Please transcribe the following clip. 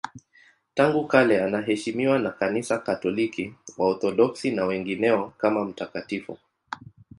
Tangu kale anaheshimiwa na Kanisa Katoliki, Waorthodoksi na wengineo kama mtakatifu.